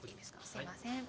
すいません。